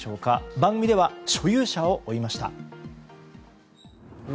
番組では所有者を追いました。